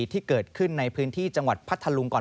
ที่เกิดขึ้นในพื้นที่จังหวัดพัทธลุงก่อน